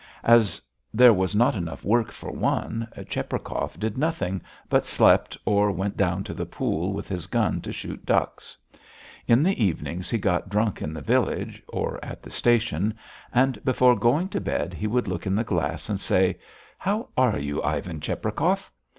As there was not enough work for one, Cheprakov did nothing, but slept or went down to the pool with his gun to shoot ducks. In the evenings he got drunk in the village, or at the station, and before going to bed he would look in the glass and say: "How are you, Ivan Cheprakov?"